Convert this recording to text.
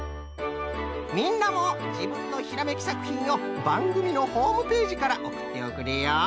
みんなもじぶんのひらめきさくひんをばんぐみのホームページからおくっておくれよ。